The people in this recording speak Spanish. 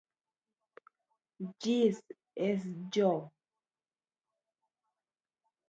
Los sapos de bronce fueron trasladados al rosedal de Palermo.